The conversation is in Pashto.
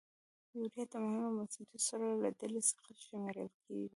یوریا د مهمو او بنسټیزو سرو له ډلې څخه شمیرل کیږي.